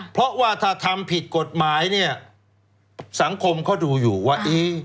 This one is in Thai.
เพราะว่าถ้าทำผิดกฎหมายเนี่ยสังคมเขาดูอยู่ว่า